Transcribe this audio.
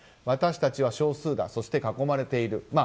私たちは少数だそして囲まれている。